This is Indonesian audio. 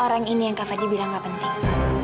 orang ini yang kak fadi bilang gak penting